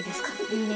いいね。